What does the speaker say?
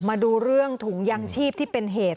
มาดูเรื่องถุงยางชีพที่เป็นเหตุ